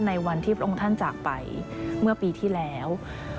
ในวันที่พระองค์ท่านจากไปเมื่อปีที่แล้ว